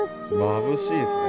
まぶしいですね。